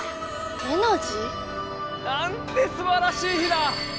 エナジー？なんてすばらしい日だ！